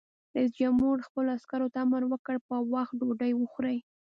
رئیس جمهور خپلو عسکرو ته امر وکړ؛ په وخت ډوډۍ وخورئ!